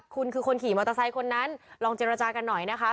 คุณคือคนขี่มอเตอร์ไซค์คนนั้นลองเจรจากันหน่อยนะคะ